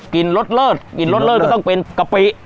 กลิ่นรสเริดก็ต้องเป็นกะปิ